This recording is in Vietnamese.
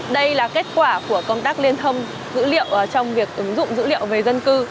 đây là kết quả của công tác liên thông dữ liệu trong việc ứng dụng dữ liệu về dân cư